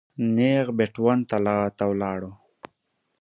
نېغ بېټ ون ته ولاړو.